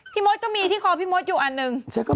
พี่แมว่ะแต่หนุ่มไม่ได้พี่แมว่ะแต่หนุ่มไม่ได้